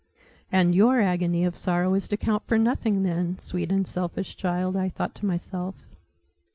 And your agony of sorrow is to count for nothing, then, sweet unselfish child! I thought to myself.